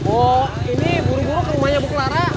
oh ini buru buru ke rumahnya bu clara